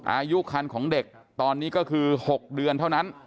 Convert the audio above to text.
อายุคันของเด็กตอนนี้ก็คือ๖เดือนเท่านั้น